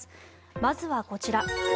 まずはこちら。